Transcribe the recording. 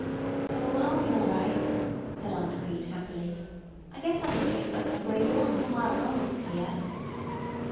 "O, I'll be all right," said Aunt Crete happily. "I guess I can fix up my gray lawn for while Donald's here."